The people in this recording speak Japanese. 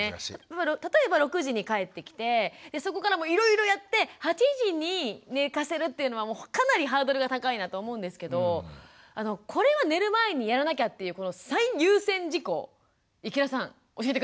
例えば６時に帰ってきてそこからもういろいろやって８時に寝かせるというのはかなりハードルが高いなと思うんですけどこれは寝る前にやらなきゃっていうこの最優先事項池田さん教えて下さい。